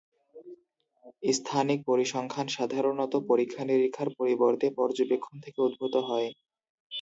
স্থানিক পরিসংখ্যান সাধারণত পরীক্ষা-নিরীক্ষার পরিবর্তে পর্যবেক্ষণ থেকে উদ্ভূত হয়।